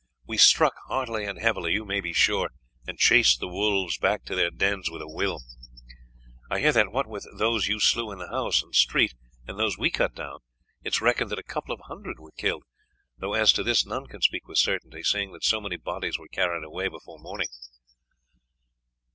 We struck heartily and heavily, you may be sure, and chased the wolves back to their dens with a will. I hear that, what with those you slew in the house and street and those we cut down, it is reckoned that a couple of hundred were killed; though as to this none can speak with certainty, seeing that so many bodies were carried away before morning."